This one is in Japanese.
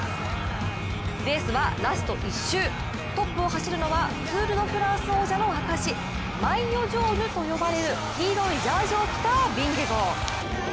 レースはラスト１周、トップを走るのはツール・ド・フランス王者の証しマイヨ・ジョーヌと呼ばれる黄色いジャージを着たヴィンゲゴー。